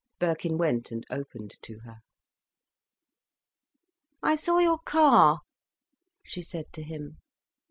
Birkin went and opened to her. "I saw your car," she said to him.